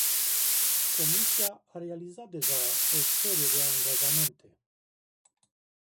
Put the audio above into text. Comisia a realizat deja o serie de angajamente.